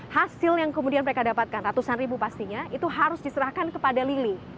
hasil yang kemudian mereka dapatkan ratusan ribu pastinya itu harus diserahkan kepada lili